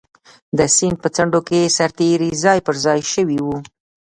د سیند په څنډو کې سرتېري ځای پر ځای شوي وو.